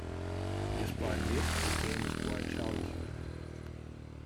Despite this, the game is quite challenging.